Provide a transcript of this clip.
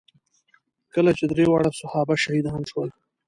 کله چې درې واړه صحابه شهیدان شول.